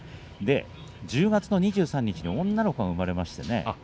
１０月２３日に女の子が生まれました。